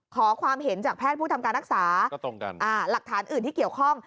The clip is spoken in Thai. ขอความเห็นจากแพทย์ผู้ทำการรักษาหลักฐานอื่นที่เกี่ยวข้อง